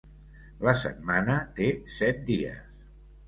La setmana té set dies.